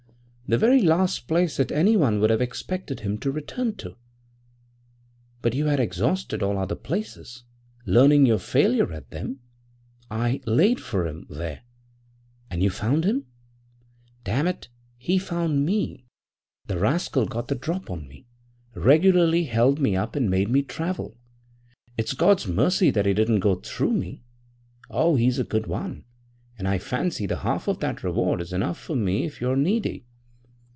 < 10 > 'The very last place that anyone would have expected him to return to.' 'But you had exhausted all the other places. Learning your failure at them, I "laid for him" there.' 'And you found him?' 'Damn it! he found me. The rascal got the drop on me regularly held me up and made me travel. It's God's mercy that he didn't go through me. Oh, he's a good one, and I fancy the half of that reward is enough for me if you're needy.'